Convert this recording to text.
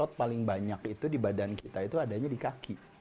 ot paling banyak itu di badan kita itu adanya di kaki